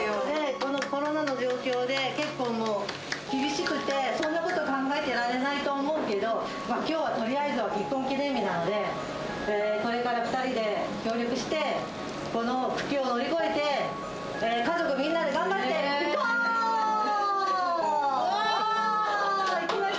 このコロナの状況で、結構、厳しくて、そんなこと考えてられないと思うけど、きょうはとりあえず、結婚記念日なので、これから２人で協力して、この苦境を乗り越えて、おー！